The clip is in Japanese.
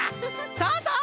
さあさあ